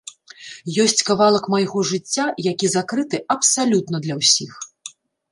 Ёсць кавалак майго жыцця, які закрыты абсалютна для ўсіх.